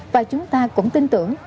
và chúng ta cũng tin tưởng